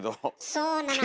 そうなの。